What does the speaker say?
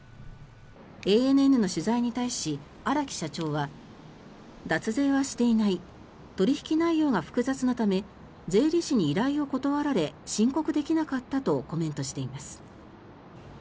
ＡＮＮの取材に対し、荒木社長は脱税はしていない取引内容が複雑なため税理士に依頼を断られ申告できなかったとコメントしています。